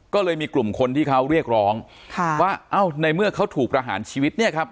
ก็เลยมีกลุ่มคนที่เขาเรียกร้องค่ะว่าเอ้าในเมื่อเขาถูกประหารชีวิตเนี่ยครับ